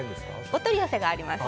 お取り寄せがあります。